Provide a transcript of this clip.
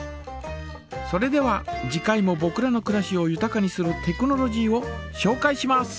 それでは次回もぼくらのくらしをゆたかにするテクノロジーをしょうかいします。